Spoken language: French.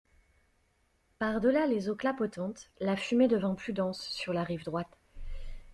Par delà les eaux clapotantes, la fumée devint plus dense, sur la rive droite.